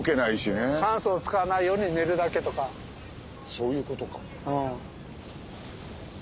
そういうことか。